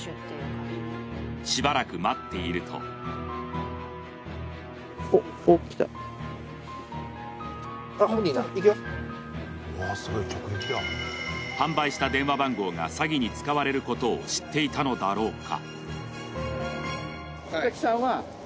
しばらく待っていると販売した電話番号が詐欺に使われることを知っていたのだろうか。